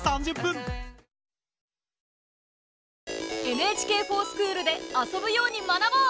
「ＮＨＫｆｏｒＳｃｈｏｏｌ」で遊ぶように学ぼう！